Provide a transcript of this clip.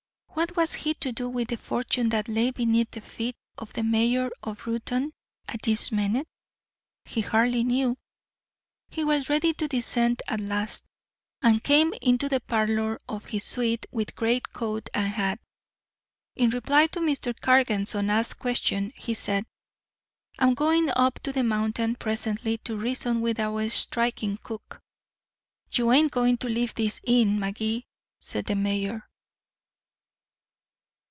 What was he to do with the fortune that lay beneath the feet of the mayor of Reuton at this minute? He hardly knew. He was ready to descend at last, and came into the parlor of his suite with greatcoat and hat. In reply to Mr. Cargan's unasked question, he said: "I'm going up the mountain presently to reason with our striking cook." "You ain't going to leave this inn, Magee," said the mayor.